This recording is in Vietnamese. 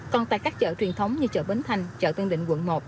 còn tại các chợ truyền thống như chợ bến thành chợ tân định quận một